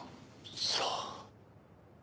さあ。